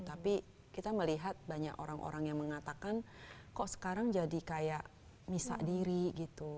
tapi kita melihat banyak orang orang yang mengatakan kok sekarang jadi kayak misa diri gitu